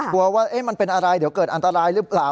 ว่ามันเป็นอะไรเดี๋ยวเกิดอันตรายหรือเปล่า